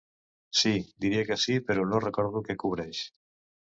Sí, diria que sí però no recordo que cobreix.